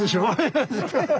ハハハハ。